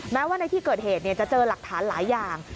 แม้ว่าในที่เกิดเหตุจะเจอหลักฐานหลายอย่าง